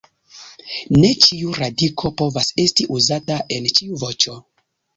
Ne ĉiu radiko povas esti uzata en ĉiu voĉo.